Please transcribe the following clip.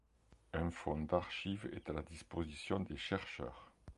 Un fonds d'archives est à la disposition des chercheurs.